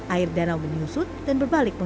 air danau menyusut dan berbalik